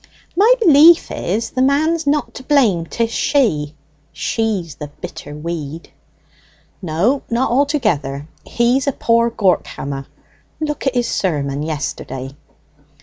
"My belief is the man's not to blame; 'tis she she's the bitter weed!" "No, not altogether. He's a poor gawk hammer. Look at his sermon yesterday."